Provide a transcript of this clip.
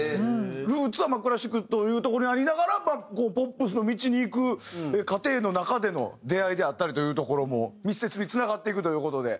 ルーツはまあクラシックというところにありながらこうポップスの道に行く過程の中での出会いであったりというところも密接につながっていくという事で。